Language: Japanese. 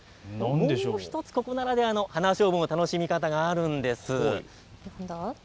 もう１つここならではのハナショウブの楽しみ方があるんです。